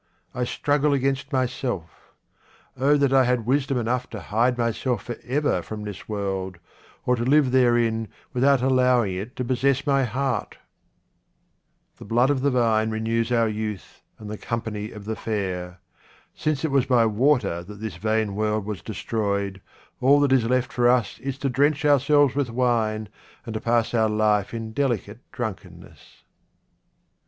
I struggle against myself. Oh that I had wisdom enough to hide myself for ever from this world, or to live therein without allowing it to possess my heart ! The blood of the vine renews our youth, and the company of the fair. Since it was by water that this vain world was destroyed, all that is left for us is to drench ourselves with wine, and to pass our life in delicate drunken ness.